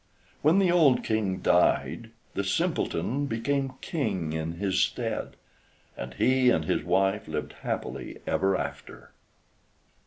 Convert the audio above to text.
When the old King died, the Simpleton became King in his stead, and he and his wife lived happily ever after.